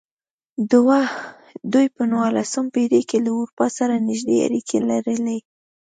دوی په نولسمه پېړۍ کې له اروپا سره نږدې اړیکې لرلې.